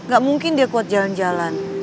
gak mungkin dia kuat jalan jalan